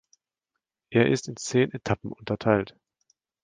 Er ist in zehn Etappen unterteilt.